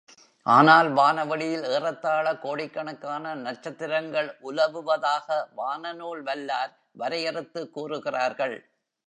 ஆனால், வானவெளியில் ஏறத்தாழ கோடிக்கணக்கான நட்சத்திரங்கள் உலவுவதாக வான நூல் வல்லார் வரையறுத்துக் கூறுகிறார்கள்.